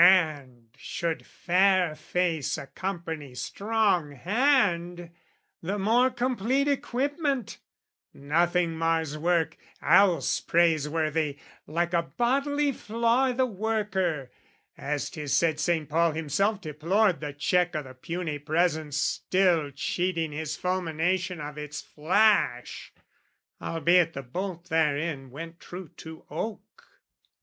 And should fair face accompany strong hand, The more complete equipment: nothing mars Work, else praiseworthy, like a bodily flaw I' the worker: as 'tis said Saint Paul himself Deplored the check o' the puny presence, still Cheating his fulmination of its flash, Albeit the bolt therein went true to oak.